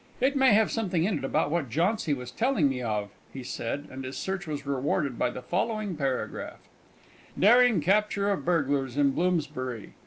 "It may have something in it about what Jauncy was telling me of," he said; and his search was rewarded by the following paragraph: "DARING CAPTURE OF BURGLARS IN BLOOMSBURY.